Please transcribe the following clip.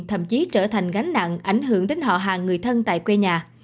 thậm chí trở thành gánh nặng ảnh hưởng đến họ hàng người thân tại quê nhà